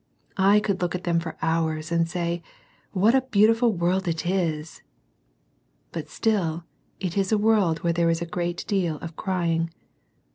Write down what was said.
I could look at them for hours and say, "What a beautiful world it is !" But still it is a world where there is a great deal of crying.